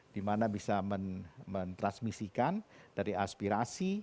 dimana bisa mentransmisikan dari aspirasi